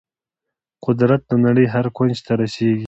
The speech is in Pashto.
قدرت د نړۍ هر کونج ته رسیږي.